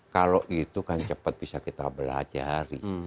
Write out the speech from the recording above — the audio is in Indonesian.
kalau itu kan cepat bisa kita belajari